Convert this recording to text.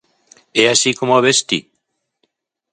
É así como o ves ti?